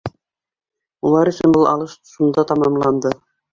Улар өсөн был алыш шунда тамамланды.